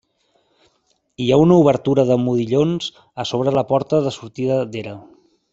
Hi ha una obertura de modillons a sobre la porta de sortida d'era.